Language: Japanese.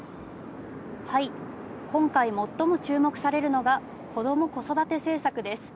今回最も注目されるのが子ども・子育て政策です。